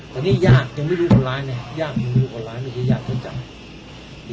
แต่นี่ยากยังไม่รู้ตัวร้ายไหมยากไม่รู้ตัวร้ายไม่ใช่ยากเท่าจำ